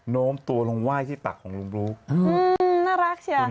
โน้มตัวลงว่ายที่ตักของลุงบลูกอืมน่ารักจริง